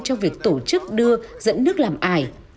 trong việc tổ chức đưa dẫn nước làm ải